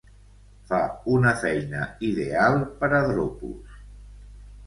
Fa una feina ideal per a dropos.